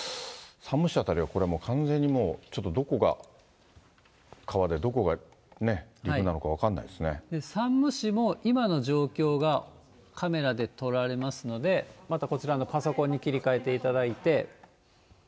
山武市辺りは、これ完全にもう、ちょっとどこが川で、どこが陸なのか分かんない山武市も、今の状況がカメラで撮られますので、またこちらのパソコンに切り替えていただいて。